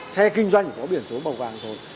xe kinh doanh có biển số màu vàng rồi